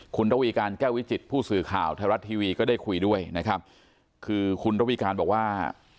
คุณทวีกาลแก้วิจิตผู้สื่อข่าวธรัตน์ทีวียก็ได้คุยด้วยนะครับคือคุณทวีกันนั่งว่า